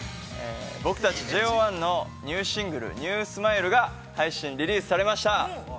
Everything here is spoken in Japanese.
◆ぼくたちＪＯ１のニューシングル「ＮＥＷＳｍｉｌｅ」が配信リリースされました！